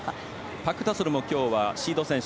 パク・タソルも今日はシード選手